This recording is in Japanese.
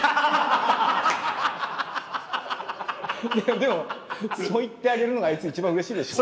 でもそう言ってあげるのがあいつ一番うれしいでしょ。